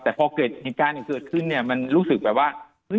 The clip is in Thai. แต่พอเหตุการณ์อีกเกิดขึ้นมันรู้สึกแบบว่า